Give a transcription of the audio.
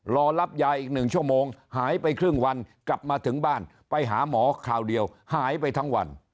รอรับยาอีก๑ชั่วโมงหายไปครึ่งวันกลับมาถึงบ้านไปหาหมอคราวเดียวหายไปทั้งวัน